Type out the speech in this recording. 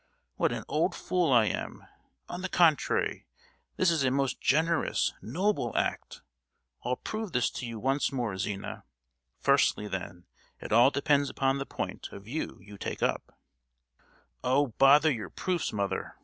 What an old fool I am! On the contrary, this is a most generous, noble act! I'll prove this to you once more, Zina. Firstly, then, it all depends upon the point of view you take up——" "Oh! bother your proofs, mother.